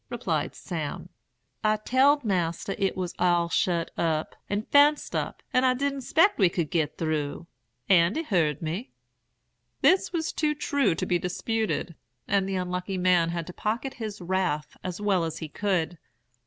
replied Sam. 'I telled Mas'r 't was all shet up, and fenced up, and I didn't 'spect we could git through. Andy heard me.' "This was too true to be disputed, and the unlucky man had to pocket his wrath as well as he could.